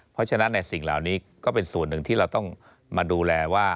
เพราะฉะนั้นในสิ่งเหล่านี้ก็เป็นส่วนหนึ่งที่เราต้องมาดูแลว่า